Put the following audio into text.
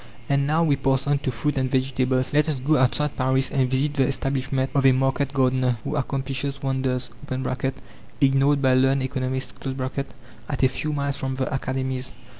And now we pass on to fruit and vegetables. Let us go outside Paris and visit the establishment of a market gardener who accomplishes wonders (ignored by learned economists) at a few miles from the academies.